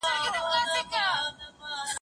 پاس د عشق نوې هوا ده